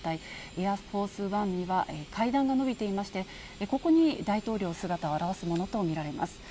エアフォースワンには階段がのびていまして、ここに大統領は姿を現すものと見られます。